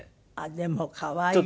でも可愛いわね。